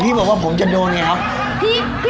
ที่บอกว่าผมจะโดนไงครับ